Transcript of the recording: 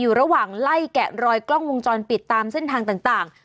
ระหว่างไล่แกะรอยกล้องวงจรปิดตามเส้นทางต่าง